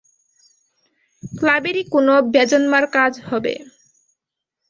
ক্লাবেরই কোনো বেজন্মার কাজ হবে।